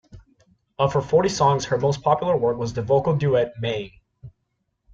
Of her forty songs, her most popular work was the vocal duet "Maying".